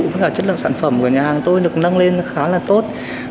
với cả chất lượng sản phẩm của nhà hàng tôi được nâng lên khá là tốt